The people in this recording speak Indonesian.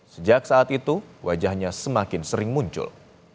sejak saat itu wajahnya semakin sering muncul